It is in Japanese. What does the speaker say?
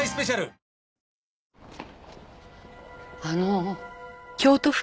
あの。